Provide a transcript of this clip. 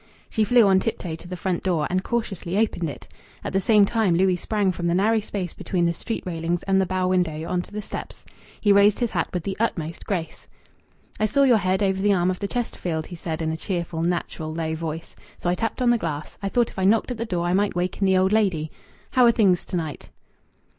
She flew on tiptoe to the front door, and cautiously opened it. At the same moment Louis sprang from the narrow space between the street railings and the bow window on to the steps. He raised his hat with the utmost grace. "I saw your head over the arm of the Chesterfield," he said in a cheerful, natural low voice. "So I tapped on the glass. I thought if I knocked at the door I might waken the old lady. How are things to night?"